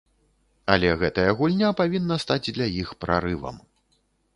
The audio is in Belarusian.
Але гэтая гульня павінна стаць для іх прарывам.